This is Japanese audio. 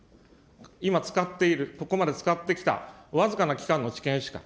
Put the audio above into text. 今使っている、ここまで使ってきた、僅かな期間の知見しか。